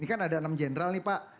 ini kan ada enam jenderal nih pak